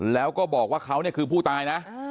แล้วก็บอกว่าเขาเนี่ยคือผู้ตายนะ